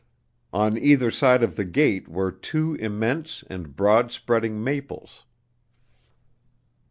On either side of the gate were two immense and broad spreading maples.